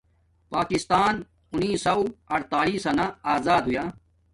پاکستان انیسوہ اڈتلسنا آزد ہویا